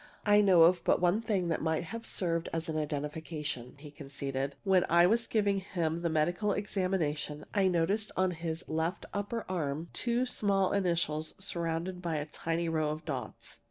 "I know of but one thing that might have served as an identification," he conceded. "When I was giving him the medical examination, I noticed on his left upper arm two small initials surrounded by a tiny row of dots.